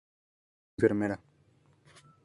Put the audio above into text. Era enfermera.